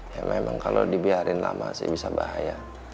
ya memang kalau dibiarin lama sih bisa bahaya